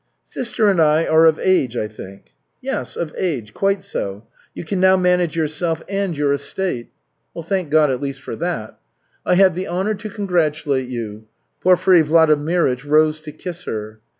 "Sister and I are of age, I think?" "Yes, of age. Quite so. You can now manage yourself and your estate." "Thank God at least for that." "I have the honor to congratulate you." Porfiry Vladimirych rose to kiss her.